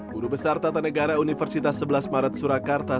guru besar tata negara universitas sebelas maret surakarta